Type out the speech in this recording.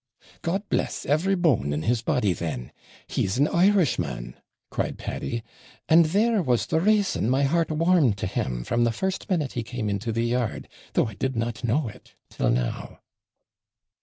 'God bless every bone in his body, then! he's an Irishman,' cried Paddy; 'and there was the RASON my heart warmed to him from the first minute he come into the yard, though I did not know it till now.'